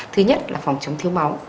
thứ nhất là phòng chống thiếu máu